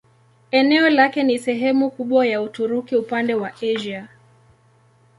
Eneo lake ni sehemu kubwa ya Uturuki upande wa Asia.